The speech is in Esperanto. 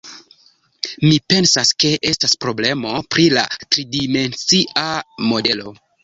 Mi pensas, ke estas problemo pri la tridimencia modelo.